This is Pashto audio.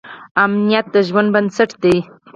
امنیت د ژوند بنسټ دی.